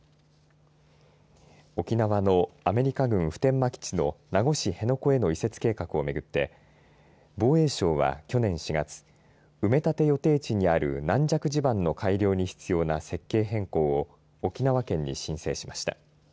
沖縄のアメリカ軍普天間基地の名護市辺野古への移設計画をめぐって防衛省は、去年４月埋め立て予定地にある軟弱地盤の改良に必要な設計変更を沖縄県に申請しました。